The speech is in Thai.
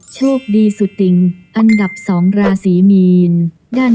โชคดีสุดอันดับสองราศีมีน